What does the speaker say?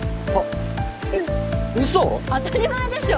当たり前でしょ！